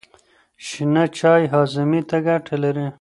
شنه چای هاضمې ته ګټه لري.